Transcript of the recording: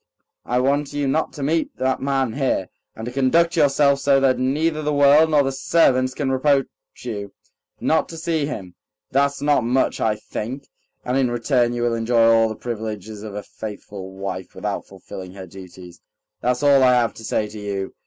"I want you not to meet that man here, and to conduct yourself so that neither the world nor the servants can reproach you ... not to see him. That's not much, I think. And in return you will enjoy all the privileges of a faithful wife without fulfilling her duties. That's all I have to say to you.